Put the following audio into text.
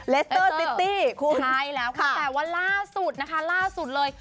เลสเตอร์ซิตี้คู่ใช่แล้วค่ะแต่ว่าล่าสุดนะคะล่าสุดเลย